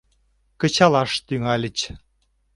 Кычалаш тӱҥальыч.